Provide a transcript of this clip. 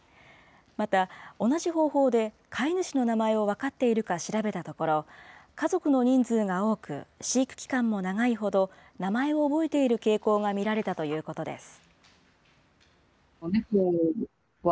また、同じ方法で、飼い主の名前を分かっているか調べたところ、家族の人数が多く、飼育期間も長いほど、名前を憶えている傾向が見られたということです。